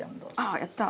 あやった。